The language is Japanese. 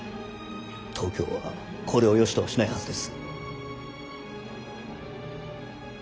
東京はこれをよしとはしないはずです。